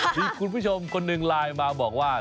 มีคุณผู้ชมคนหนึ่งไลน์มาบอกว่า